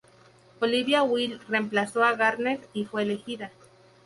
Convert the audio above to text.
Olivia Wilde reemplazó a Garner y fue elegida.